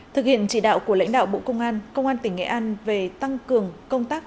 thực hiện chỉ đạo của lãnh đạo bộ công an công an tỉnh nghệ an về tăng cường công tác